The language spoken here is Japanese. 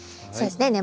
そうですね